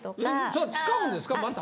それ使うんですかまた？